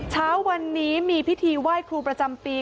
เช้าวันนี้มีพิธีไหว้ครูประจำปี